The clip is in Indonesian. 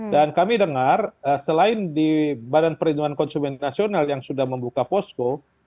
dan kami dengar selain di badan perlindungan konsumen nasional yang sudah membuka posko